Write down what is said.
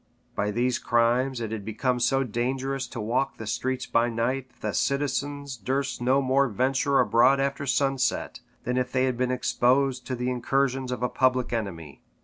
By these crimes it had become so dangerous to walk the streets by night, that the citizens durst no more venture abroad after sunset, than if they had been exposed to the incursions of a public enemy.